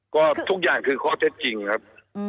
ก็ทุกอย่างคือข้อเท็จจริงครับ